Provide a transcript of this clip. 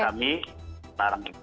kami larang itu